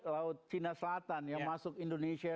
laut cina selatan yang masuk indonesia